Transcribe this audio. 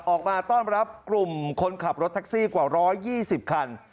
ออกมาต้อนรับกลุ่มคนขับรถแท็กซี่กว่า๑๒๐คัน